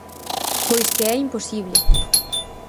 Pois que é imposible.